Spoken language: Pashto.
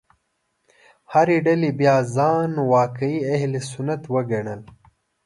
هرې ډلې بیا ځان واقعي اهل سنت وګڼل.